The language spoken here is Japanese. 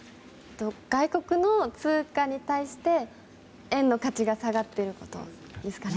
外国の通貨に対して円の価値が下がっていることですか？